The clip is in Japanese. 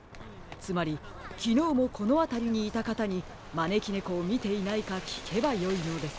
つまりきのうもこのあたりにいたかたにまねきねこをみていないかきけばよいのです。